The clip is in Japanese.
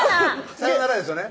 「さよなら」ですよね